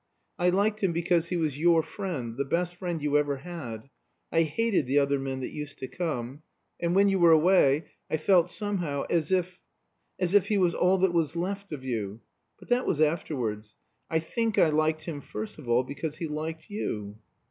"I liked him because he was your friend the best friend you ever had. I hated the other men that used to come. And when you were away I felt somehow as if as if he was all that was left of you. But that was afterwards. I think I liked him first of all because he liked you."